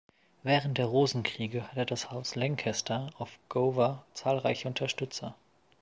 Während der Rosenkriege hatte das Haus Lancaster auf Gower zahlreiche Unterstützer.